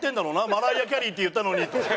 マライア・キャリーって言ったのに」と思って。